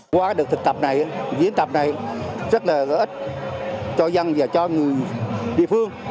qua được thực tập này diễn tập này rất là ích cho dân và cho người địa phương